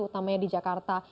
utamanya di jakarta